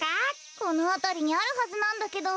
このあたりにあるはずなんだけど。